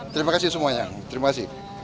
terima kasih semuanya terima kasih